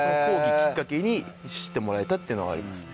キッカケに知ってもらえたっていうのはありますね。